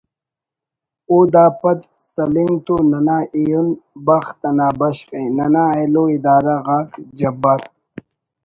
او دا پد سلنگ تو ننا ایہن بخت انا بشخءِ ننا ایلو ادارہ غاک جبار